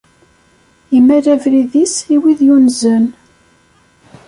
Immal abrid-is i wid yunzen.